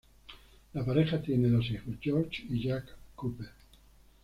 La pareja tiene dos hijos George y Jack Cooper.